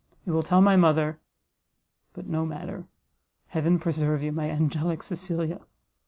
You will tell my mother but no matter! Heaven preserve you, my angelic Cecilia!